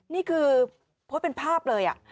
นี่คือโพสต์เป็นภาพเลย